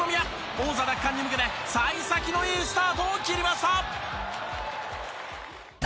王座奪還に向けて幸先のいいスタートを切りました。